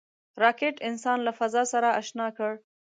راکټ انسان له فضا سره اشنا کړ